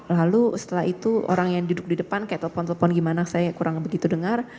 lalu setelah itu orang yang duduk di depan kayak telepon telepon gimana saya kurang begitu dengar